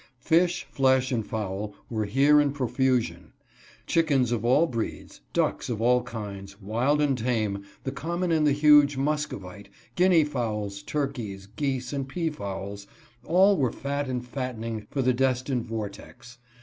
Fish, flesh, and fowl were here in profusion. Chickens of all breeds ; ducks of all kinds, wild and tame, the common and the huge Musco vite; Guinea fowls, turkeys, geese and pea fowls; all were fat and fattening for the destined vortex.